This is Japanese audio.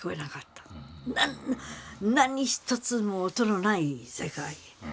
何一つ音のない世界。